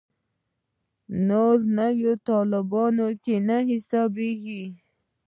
نور نو طالبانو کې نه حسابېږي.